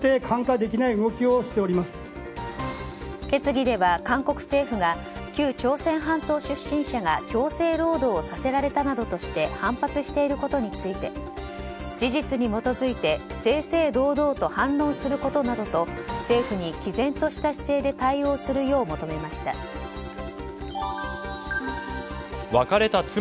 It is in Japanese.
決議では韓国政府が旧朝鮮半島出身者が強制労働させられたなどとして反発していることについて事実に基づいて正々堂々と反論することなどと政府に毅然とした姿勢で対応するよう求めました。